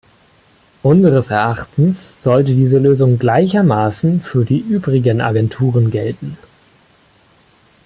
Unseres Erachtens sollte diese Lösung gleichermaßen für die übrigen Agenturen gelten.